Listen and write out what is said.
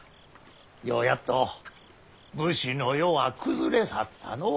ようやっと武士の世は崩れ去ったのう！